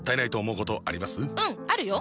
うんあるよ！